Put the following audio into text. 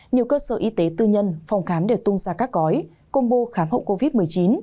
nhiều cơ sở y tế tư nhân phòng khám để tung ra các gói combo khám hậu covid một mươi chín